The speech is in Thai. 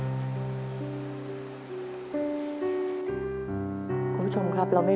หรือผู้ประพันว่าขอให้เขียนบทให้น้องหายได้ไหม